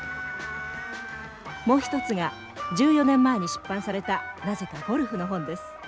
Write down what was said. もう一つが１４年前に出版されたなぜかゴルフの本です。